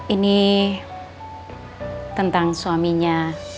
ini tentang suaminya